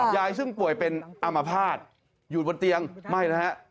ยายซึ่งป่วยเป็นอามภาษณ์อยู่บนเตียงไม่นะฮะ